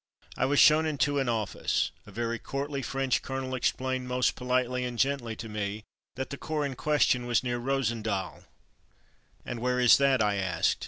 I was shown into an office. A very courtly French colonel explained most politely and gently to me that the corps in question was near Rosendael. ''And where is that?'' I asked.